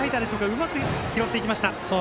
うまく拾っていきました。